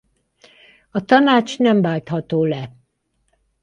A tanács nem váltható le.